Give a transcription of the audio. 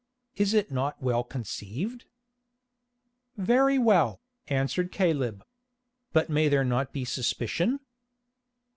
Is it not well conceived?" "Very well," answered Caleb. "But may there not be suspicion?"